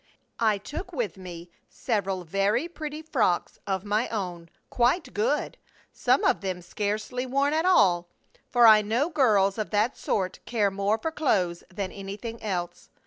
I took with me several very pretty frocks of my own, quite good, some of them scarcely worn at all, for I know girls of that sort care more for clothes than anything else.